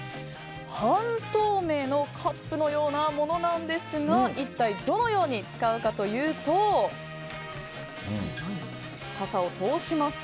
半透明のカップのようなものですが一体、どのように使うかというと傘を通します。